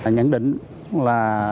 nhận định là